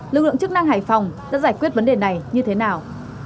lực lượng chức năng hải phòng đã giải quyết vấn đề này như thế nào